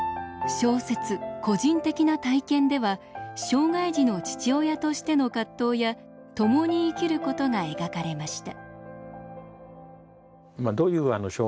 小説「個人的な体験」では障害児の父親としての葛藤や共に生きることが描かれました。